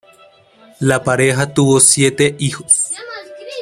La pareja tuvo siete hijos.